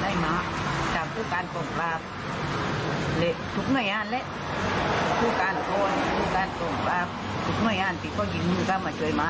ทำผู้การปกป้าถูกงงากเลสผู้การโทรผู้การปกป้าถูกงกรรติก็ยินมือก็มาช่วยมา